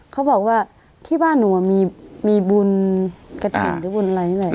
เขาบอกว่าที่บ้านหนูมีบุญกระถิ่นหรือบุญอะไรนี่แหละ